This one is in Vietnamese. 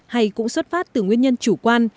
hay cũng xuất phát từ nguyên nhân chủ quan